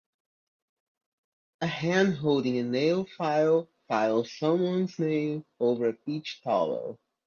A hand holding a nail file files someone 's nail over a peach towel.